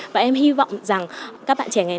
và em hy vọng rằng các bạn trẻ ngày nay sẽ